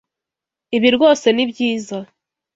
Ibi rwose ni byiza.